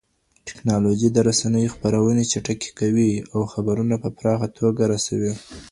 ټکنالوژي د رسنيو خپرونې چټکې کوي او خبرونه په پراخه توګه رسوي.